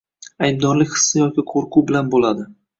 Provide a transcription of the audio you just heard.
aybdorlik hissi yoki qo‘rquv bilan bo‘ladi